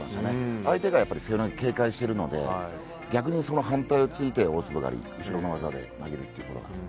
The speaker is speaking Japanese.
相手が背負い投げを警戒しているので逆にその反対を突いて後ろの技で投げるっていうのが。